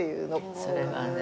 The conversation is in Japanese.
それがね